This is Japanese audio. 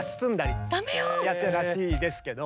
やってたらしいですけど。